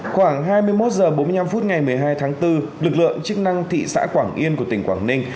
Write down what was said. khoảng hai mươi một h bốn mươi năm phút ngày một mươi hai tháng bốn lực lượng chức năng thị xã quảng yên của tỉnh quảng ninh